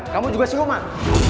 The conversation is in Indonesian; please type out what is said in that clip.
kamu juga siluman